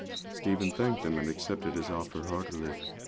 Stephen thanked him, and accepted his offer heartily.